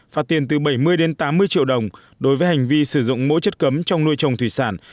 phạt tiền từ bảy mươi đến tám mươi triệu đồng đối với hành vi sử dụng mỗi chất cấm trong nuôi trồng thủy sản